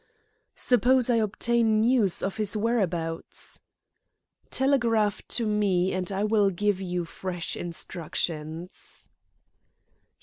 "Suppose I obtain news of his whereabouts?" "Telegraph to me and I will give you fresh instructions."